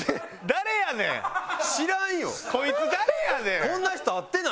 誰やねん！